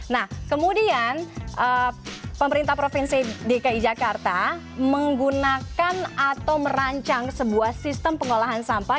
nah kemudian pemerintah provinsi dki jakarta menggunakan atau merancang sebuah sistem pengolahan sampah